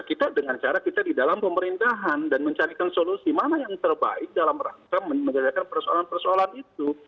kita dengan cara kita di dalam pemerintahan dan mencarikan solusi mana yang terbaik dalam rangka menyelesaikan persoalan persoalan itu